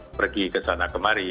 pergi ke sana kemarin